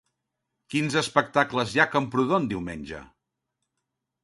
Quins espectacles hi ha a Camprodon diumenge?